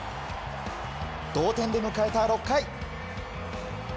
同点で迎えた６回。